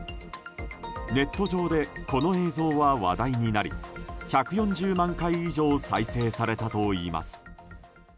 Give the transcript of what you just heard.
ネット上でこの映像は話題になり１４０万回以上再生されたといいます。